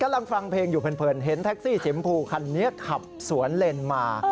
กำลังฟังเพลงอยู่เผินเห็นแท็กซี่สีมพูคันนี้ขับสวนเลนมา